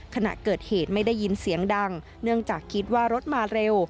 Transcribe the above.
ขณะเกิดเหตุไม่ได้ยินเสียงดังเนื่องจากคิดว่ารถมาเร็ว